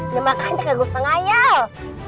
ya makanya gak usah ngayal